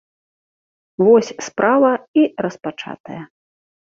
Вось, справа і распачатая.